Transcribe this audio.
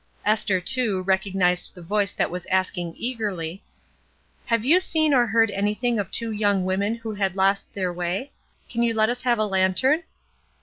Esther, too, recognized the voice that was asking eagerly :—" Have you seen or heard anything of two young women who had lost their way? Can you let us have a lantern?"